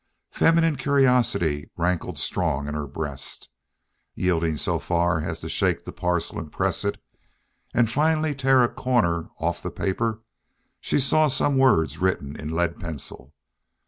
Feminine curiosity rankled strong in her breast. Yielding so far as to shake the parcel and press it, and finally tear a corner off the paper, she saw some words written in lead pencil.